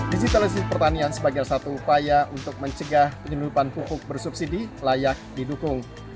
digitalisasi pertanian sebagai satu upaya untuk mencegah penyelundupan pupuk bersubsidi layak didukung